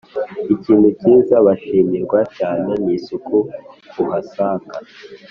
ikintu kiza bashimirwa cyane ni isuku uhasanga